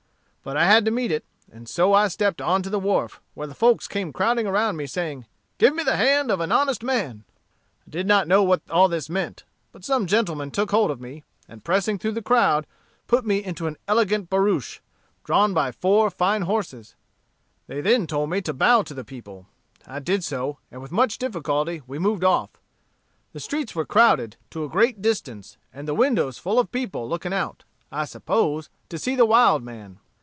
But I had to meet it, and so I stepped on to the wharf, where the folks came crowding around me, saying, 'Give me the hand of an honest man.' I did not know what all this meant: but some gentleman took hold of me, and pressing through the crowd, put me into an elegant barouche, drawn by four fine horses; they then told me to bow to the people: I did so, and with much difficulty we moved off. The streets were crowded to a great distance, and the windows full of people, looking out, I suppose, to see the wild man.